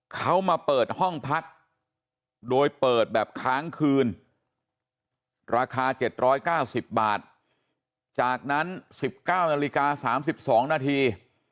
เขามาเปิดห้องพักโดยเปิดแบบค้างคืนราคา๗๙๐บาทจากนั้น๑๙นาฬิกา๓๒นาที